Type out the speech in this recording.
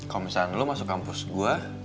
kalo misalnya lo masuk kampus gua